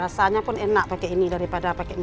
rasanya pun enak pakai ini daripada pakai